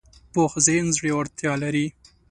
پوخ ذهن زړورتیا لري